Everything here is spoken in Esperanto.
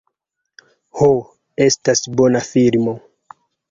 Ho, estas bona filmo.